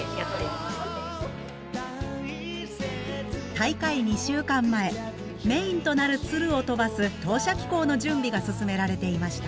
大会２週間前メインとなる鶴を飛ばす投射機構の準備が進められていました。